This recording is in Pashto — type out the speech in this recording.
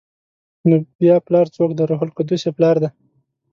نو بیا پلار څوک دی؟ روح القدس یې پلار دی؟